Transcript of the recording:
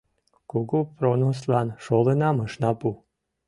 — Кугу пронослан шолынам ышна пу!